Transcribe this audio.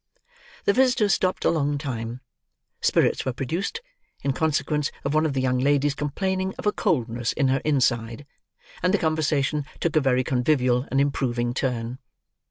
The visitors stopped a long time. Spirits were produced, in consequence of one of the young ladies complaining of a coldness in her inside; and the conversation took a very convivial and improving turn.